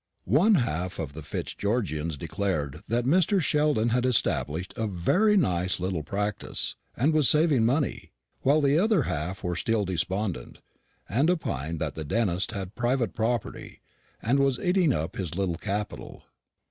One half of the Fitzgeorgians declared that Mr. Sheldon had established a very nice little practice, and was saving money; while the other half were still despondent, and opined that the dentist had private property, and was eating up his little capital.